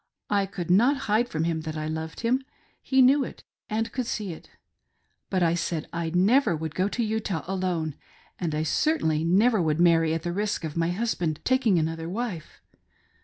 I could not hide from him that I loved him— he knew it and could see it ; but I said I never would go to Utah alone, and I certainly never would marry at the risk of my husband taking another wife.